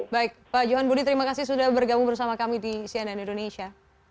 baik pak johan budi terima kasih sudah bergabung bersama kami di cnn indonesia